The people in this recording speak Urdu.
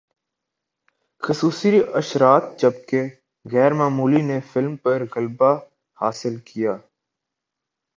خصوصی اثرات جبکہ غیر معمولی نے فلم پر غلبہ حاصل کیا